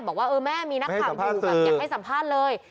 บอกว่าเออแม่มีนักข่าวอยู่แบบอย่าให้สัมภาษณ์เลย